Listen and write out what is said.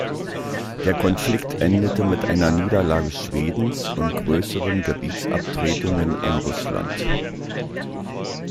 Der Konflikt endete mit einer Niederlage Schwedens und größeren Gebietsabtretungen an Russland.